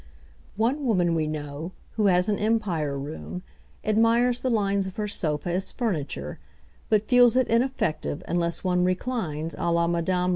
One woman we know, who has an Empire room, admires the lines of her sofa as furniture, but feels it ineffective unless one reclines á la Mme.